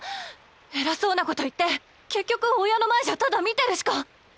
偉そうなこと言って結局親の前じゃただ見てるしか。